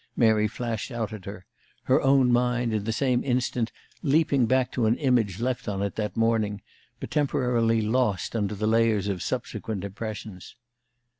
Mary flashed out at her, her own mind, in the same instant, leaping back to an image left on it that morning, but temporarily lost under layers of subsequent impressions.